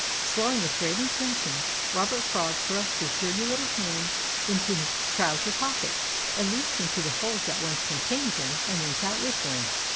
Swelling with great intentions, Robert Frog thrust his dirty little hands into his trouser pockets at least into the holes that once contained them and went out whistling.